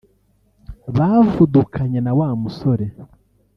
bavudukanye wa musore